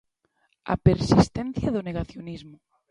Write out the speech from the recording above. A persistencia do negacionismo.